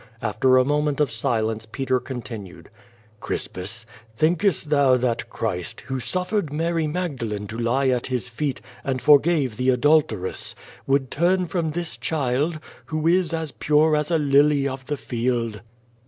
After a moment of si lence Peter continued: "Crispus, thinkest thou that Christ, who suffered Mary Magdalene to lie at his feet and forgave the adulteress, would turn from this child, who is as pure as a lily of the field?"